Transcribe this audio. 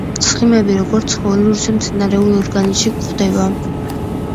ცხიმები როგორც ცხოველურ, ისე მცენარეულ ორგანიზმში გვხვდება.